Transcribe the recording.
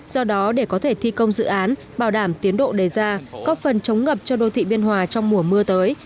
do đó để có thể thi công dự án bảo đảm tiến độ đề ra có phần chống ngập cho đô thị biên hòa trong mùa mưa tới